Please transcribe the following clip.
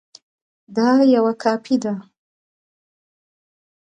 دا یوه کاپي ده